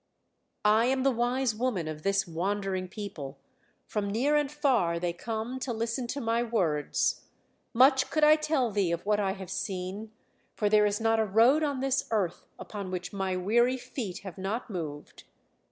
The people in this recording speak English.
"I am the wise woman of this wandering people; from near and far they come to listen to my words; much could I tell thee of what I have seen, for there is not a road on this earth upon which my weary feet have not moved.